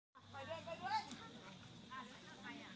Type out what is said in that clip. สวัสดีสวัสดีสวัสดี